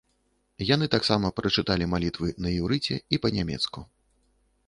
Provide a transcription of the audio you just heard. Яны таксама прачыталі малітвы на іўрыце і па-нямецку.